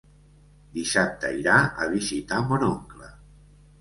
Dissabte irà a visitar mon oncle.